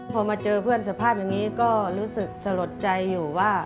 พอมาเจอเพื่อนสภาพอย่างนี้ก็รู้สึกสลดใจอยู่ว่า